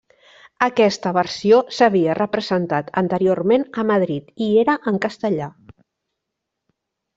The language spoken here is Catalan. Aquesta versió s'havia representat anteriorment a Madrid, i era en castellà.